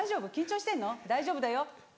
大丈夫だよ」。